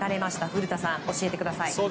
古田さん、教えてください。